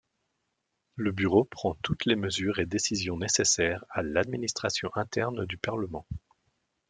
Le bureau prend toutes les mesures et décisions nécessaires à l'administration interne du Parlement.